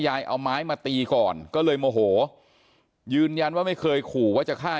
ยายเอาไม้มาตีก่อนก็เลยโมโหยืนยันว่าไม่เคยขู่ว่าจะฆ่า